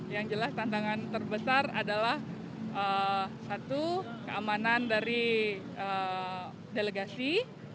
yang jelas tantangan terbesar adalah satu keamanan dari delegasi